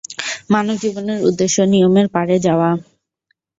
মানব জীবনের উদ্দেশ্য নিয়মের পারে যাওয়া।